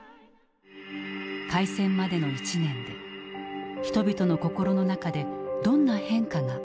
開戦までの１年で人々の心の中でどんな変化があったのか。